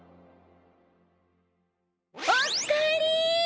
おっかえり！